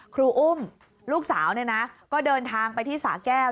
ครูอุ้มลูกสาวก็เดินทางไปที่สาแก้ว